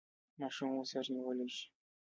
ماشوم مو سر نیولی شي؟